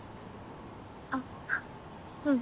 あっうん。